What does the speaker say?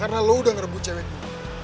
karena lo udah ngerebut cewek gue